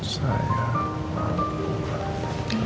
saya gak peduli